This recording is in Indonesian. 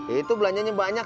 itu belanjanya banyak